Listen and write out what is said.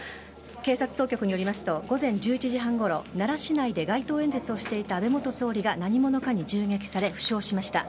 警察当局によりますと午前１１時半ごろ奈良市内で街頭演説をしていた安倍元総理が何者かに銃撃され負傷しました。